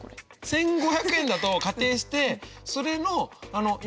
１５００円だと仮定してそれの４０。